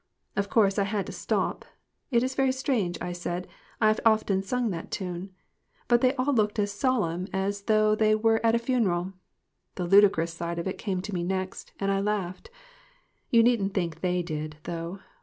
Of course I had to stop. 'It is very strange,' I said, 'I have often sung that tune.' But they all looked as solemn as though 24 MIXED THINGS. they were at a funeral. The ludicrous side of it came to me next, and I laughed. You needn't think they did, though.